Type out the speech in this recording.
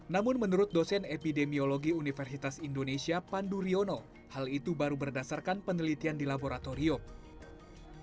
namun menurut dosen epidemiologi universitas indonesia pandu riono hal itu baru berdasarkan penelitian di laboratorium